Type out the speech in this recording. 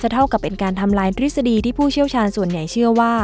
เท่ากับเป็นการทำลายทฤษฎีที่ผู้เชี่ยวชาญส่วนใหญ่เชื่อว่า